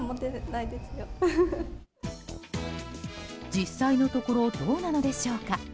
実際のところどうなのでしょうか。